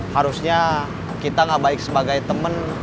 harusnya kita gak baik sebagai teman